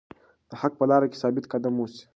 د حق په لاره کې ثابت قدم اوسئ.